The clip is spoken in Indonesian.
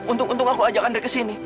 untung untung aku ajak andrei ke sini